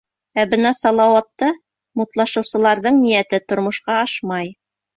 Ә бына Салауатта мутлашыусыларҙың ниәте тормошҡа ашмай.